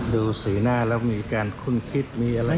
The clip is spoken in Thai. ดูสีหน้าแล้วมีการคุ้นคิดมีอะไร